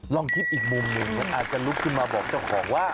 ลองคิดอีกมุมหนึ่งมันอาจจะลุกขึ้นมาบอกเจ้าของว่า